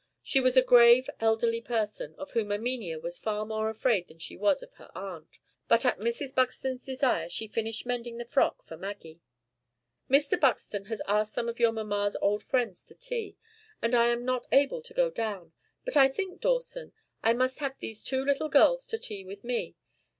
She was a grave elderly person, of whom Erminia was far more afraid than she was of her aunt; but at Mrs. Buxton's desire she finished mending the frock for Maggie. "Mr. Buxton has asked some of your mamma's old friends to tea, as I am not able to go down. But I think, Dawson, I must have these two little girls to tea with me.